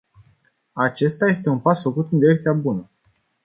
Acesta este un pas făcut în direcția bună.